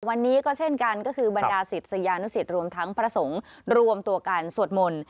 วันนี้ก็เช่นกันก็คือบรรดาศิษยานุสิตรวมทั้งพระสงฆ์รวมตัวกันสวดมนต์